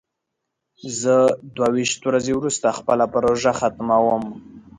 زه دوه ویشت ورځې وروسته خپله پروژه ختموم.